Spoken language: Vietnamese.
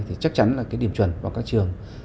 thì chắc chắn là cái điểm chuẩn vào các trường